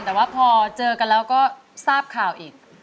แต่ว่าพอเจอกันแล้วก็ทราบข่าวอีก